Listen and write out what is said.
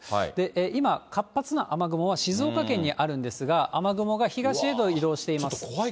今、活発な雨雲は静岡県にあるんですが、雨雲が東へと移動しています。